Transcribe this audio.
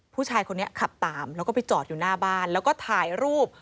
ผู้ชายคนนี้ขับตามแล้วก็ไปจอดอยู่หน้าบ้านแล้วก็ถ่ายรูป